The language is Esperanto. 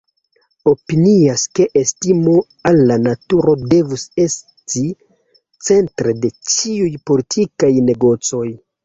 Opinias, ke estimo al la naturo devus esti centre de ĉiuj politikaj negocoj.